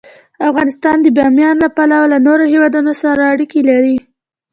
افغانستان د بامیان له پلوه له نورو هېوادونو سره اړیکې لري.